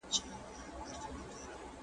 د پرېکړو عملي کول د سياست دنده ده.